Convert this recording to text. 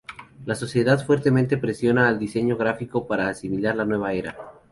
La sociedad fuertemente presiona al diseño gráfico para asimilar la nueva era.